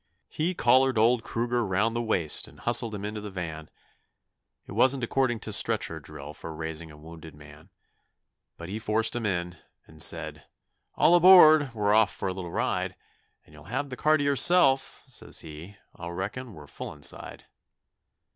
He collared old Kruger round the waist and hustled him into the van. It wasn't according to stretcher drill for raising a wounded man; But he forced him in and said, 'All aboard, we're off for a little ride, And you'll have the car to yourself,' says he, 'I reckon we're full inside.'